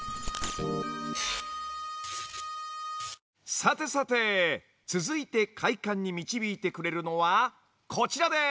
さてさて続いて快感に導いてくれるのはこちらです。